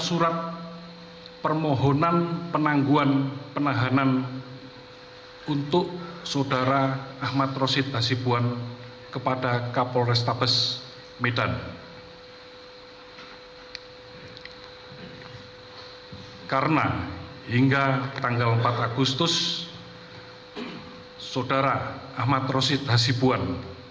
saya membuatkan dengan surat kuasa dari saudara ahmad roshid hazibwan kepada tim kuasa yang ditandatangani di atas meterai oleh saudara ahmad roshid hazibwan